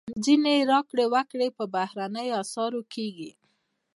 ځینې راکړې ورکړې په بهرنیو اسعارو کېږي.